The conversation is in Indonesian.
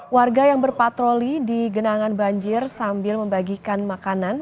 warga yang berpatroli di genangan banjir sambil membagikan makanan